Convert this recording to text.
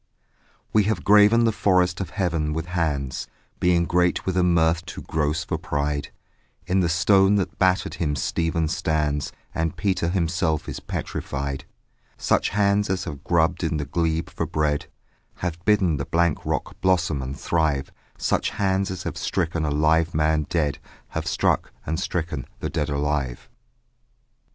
We have graven the forest of heaven with hands, Being great with a mirth too gross for pride, In the stone that battered him Stephen stands And Peter himself is petrified: Such hands as have grubbed in the glebe for bread Have bidden the blank rock blossom and thrive, Such hands as have stricken a live man dead Have struck, and stricken the dead alive.